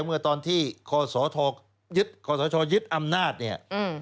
เมื่อตอนที่คศยึดอำนาจนี่